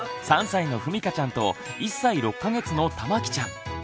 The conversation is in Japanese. ３歳のふみかちゃんと１歳６か月のたまきちゃん。